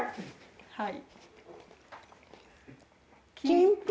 はい。